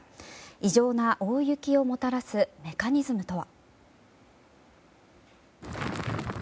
異常な大雪をもたらすメカニズムとは？